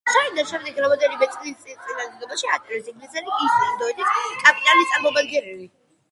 შარდენი შემდეგ რამდენიმე წელს ნიდერლანდებში ატარებს ინგლისის ისტ ინდოეთის კომპანიის წარმომადგენლად.